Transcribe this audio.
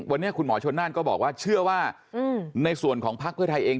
วันนี้คุณหมอชนนั่นก็บอกว่าเชื่อว่าในส่วนของพักเพื่อไทยเอง